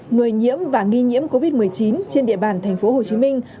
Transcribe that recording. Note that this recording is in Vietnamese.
người nhiễm và nghi nhiễm covid một mươi chín trên địa bàn thành phố hồ chí minh